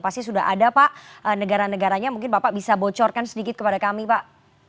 pasti sudah ada pak negara negaranya mungkin bapak bisa bocorkan sedikit kepada kami pak